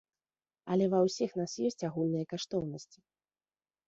Але ва ўсіх нас ёсць агульныя каштоўнасці.